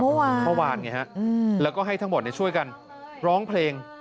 เมื่อวานแล้วก็ให้ทั้งหมดช่วยกันร้องเพลง